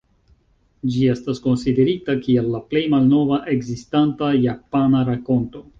Ĝi estas konsiderita kiel la plej malnova ekzistanta japana rakonto.